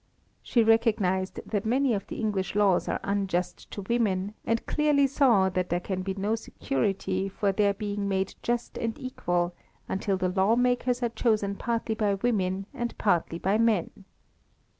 She recognised that many of the English laws are unjust to women, and clearly saw that there can be no security for their being made just and equal until the law makers are chosen partly by women and partly by men.